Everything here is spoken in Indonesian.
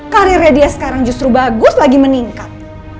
karirnya dia sekarang justru bagus lagi meningkat